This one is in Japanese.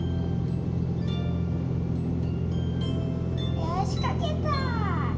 よしかけた！